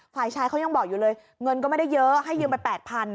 ฝ่ายชายเขายังบอกอยู่เลยเงินก็ไม่ได้เยอะให้ยืมไป๘๐๐